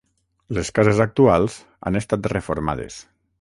Les cases actuals han estat reformades.